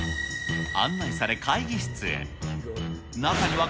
案内され、会議室へ。